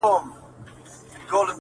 غل نارې وهي چي غل دی غوغا ګډه ده په کلي-